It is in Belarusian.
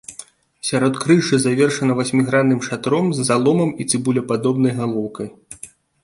Сяродкрыжжа завершана васьмігранным шатром з заломам і цыбулепадобнай галоўкай.